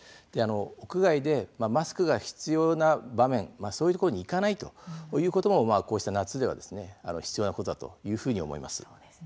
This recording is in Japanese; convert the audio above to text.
屋外でマスクが必要な場面そういうところに行かないということもこうした夏では必要なことだというふうに思います。